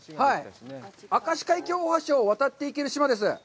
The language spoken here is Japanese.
明石海峡大橋を渡っていける島です。